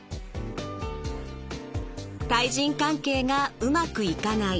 対人関係がうまくいかない。